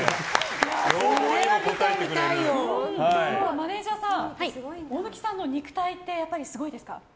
マネジャーさん大貫さんの肉体ってやっぱりすごいですか？